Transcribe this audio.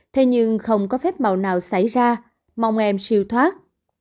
thế nhưng không có phép màu nào xảy ra mong em siêu thoát